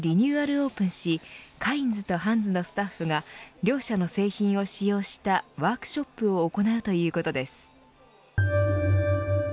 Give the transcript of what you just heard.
オープンしカインズとハンズのスタッフが両社の製品を使用したワークショップを行うということです。